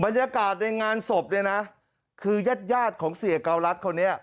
บรรยากาศในงานศพเนี่ยนะคือญาติยาดของเศรษฐ์เกาลัดคนนี้